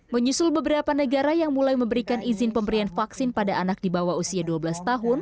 menyusul beberapa negara yang mulai memberikan izin pemberian vaksin pada anak di bawah usia dua belas tahun